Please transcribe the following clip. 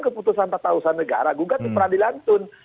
keputusan tata usaha negara gugat itu peran di lantun